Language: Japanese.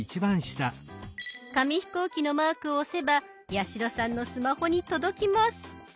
紙飛行機のマークを押せば八代さんのスマホに届きます。